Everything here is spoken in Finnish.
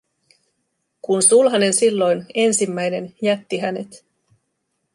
Kun sulhanen silloin, ensimmäinen, jätti hänet.